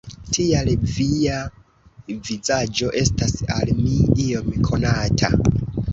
Tial via vizaĝo estas al mi iom konata.